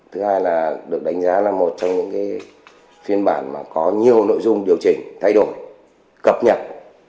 thứ hai là được đánh giá là một trong những phiên bản có nhiều nội dung điều chỉnh thay đổi cập nhật